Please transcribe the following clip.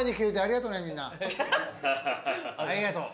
ありがとう。